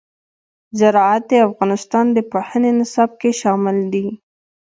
زراعت د افغانستان د پوهنې نصاب کې شامل دي.